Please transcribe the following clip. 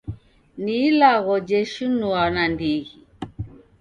Ni ilagho jeshinua nandighi.